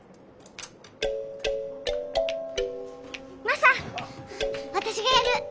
マサ私がやる！